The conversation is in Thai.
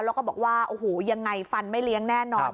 แล้วก็บอกว่าโอ้โหยังไงฟันไม่เลี้ยงแน่นอน